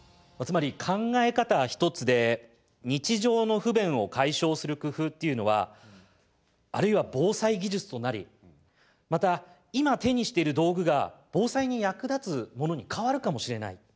つまり考え方一つで日常の不便を解消する工夫っていうのはあるいは防災技術となりまた今手にしてる道具が防災に役立つものに変わるかもしれない。